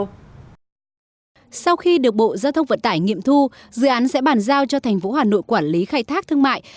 sau khi được bộ giao thông vận tải nghiệm thu dự án sẽ bàn giao cho thành phố hà nội quản lý khai thác thương mại